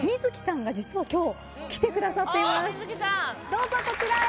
どうぞこちらへ。